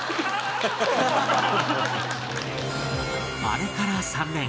あれから３年